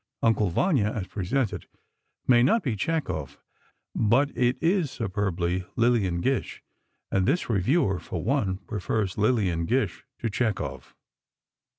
"Uncle Vanya," as presented, may not be Chekhov, but it is superbly Lillian Gish—and this reviewer, for one, prefers Lillian Gish to Chekhov.